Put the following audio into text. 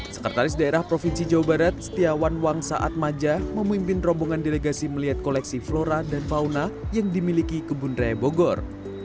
sekretaris daerah provinsi jawa barat setiawan wang saat maja memimpin rombongan delegasi melihat koleksi flora dan fauna yang dimiliki kebun raya bogor